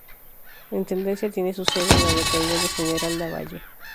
La intendencia tiene su sede en la localidad de General Lavalle.